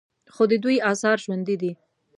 خو د دوی آثار ژوندي دي